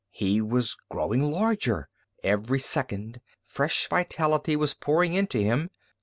He was growing larger; every second fresh vitality was pouring into him.